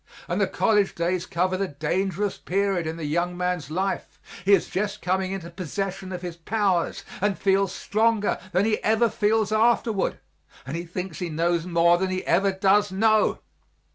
And the college days cover the dangerous period in the young man's life; he is just coming into possession of his powers, and feels stronger than he ever feels afterward and he thinks he knows more than he ever does know.